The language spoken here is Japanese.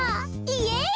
イエイ！